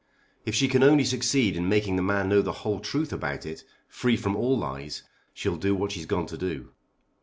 If she can only succeed in making the man know the whole truth about it, free from all lies, she'll do what she's gone to do."